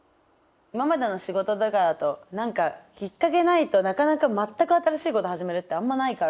今までの仕事とかだと何かきっかけないとなかなか全く新しいこと始めるってあんまないから。